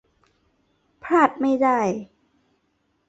พลาดไม่ได้ !